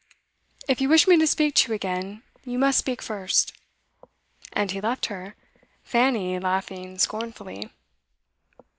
If you wish me to speak to you again you must speak first.' And he left her, Fanny laughing scornfully.